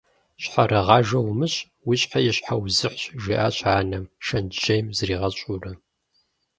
«Щхьэрыгъажэ умыщӏ, уи щхьэ и щхьэузыхьщ», - жиӏащ анэм, шэнтжьейм зригъэщӏурэ.